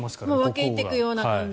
分け入っていくような感じ。